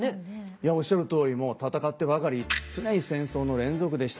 いやおっしゃるとおりもう戦ってばかり常に戦争の連続でした。